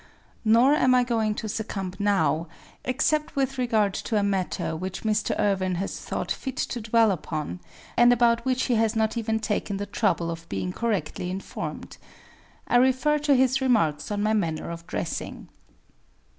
Nor am I going to succumb now except with regard to a matter which Mr. Irwin has thought fit to dwell upon and about which he has not even taken the trouble of being correctly informed. I refer to his remarks on my manner of dressing.